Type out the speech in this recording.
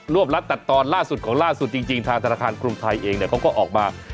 รัดตัดตอนล่าสุดของล่าสุดจริงทางธนาคารกรุงไทยเองเขาก็ออกมา